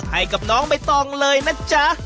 ให้กับน้องใบตองเลยนะจ๊ะ